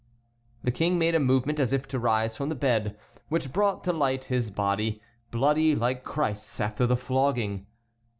The King made a movement as if to rise from the bed, which brought to light his body, bloody like Christ's after the flogging.